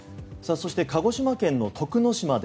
そして鹿児島県の徳之島で